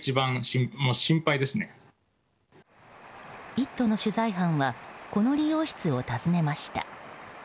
「イット！」の取材班はこの理容室を訪ねました。